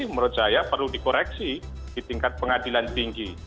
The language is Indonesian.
menurut saya perlu dikoreksi di tingkat pengadilan tinggi